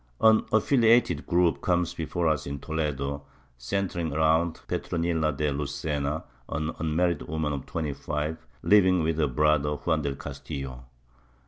^ An affiliated group comes before us in Toledo, centering around Petronila de Lucena, an unmarried woman of 25, living with her brother, Juan del Castillo.